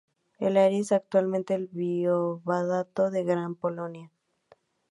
El área es actualmente el voivodato de Gran Polonia.